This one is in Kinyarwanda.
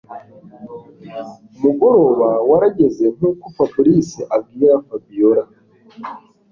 Umugoroba warageze nuko fabrice abwira Fabiora